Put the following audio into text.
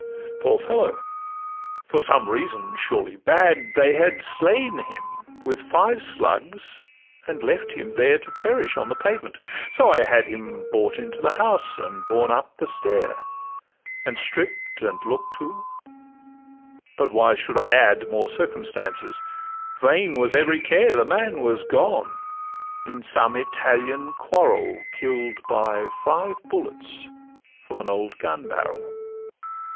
Poor fellow! for some reason, surely bad, They had slain him with five slugs; and left him there To perish on the pavement: so I had Him borne into the house and up the stair, And stripp'd and look'd to—But why should I ad More circumstances? vain was every care; The man was gone: in some Italian quarrel Kill'd by five bullets from an old gun barrel.